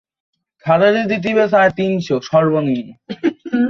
ভালো, তোমার কী অবস্থা?